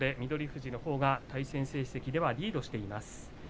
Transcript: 富士のほうが対戦成績ではリードしています。